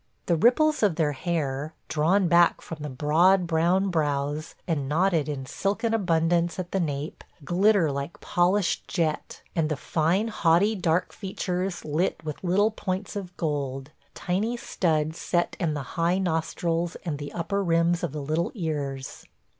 The ripples of their hair, drawn back from the broad brown brows and knotted in silken abundance at the nape, glitter like polished jet, and the fine, haughty, dark features lit with little points of gold – tiny studs set in the high nostrils and the upper rims of the little ears.